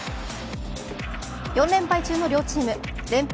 ４連敗中の両チーム連敗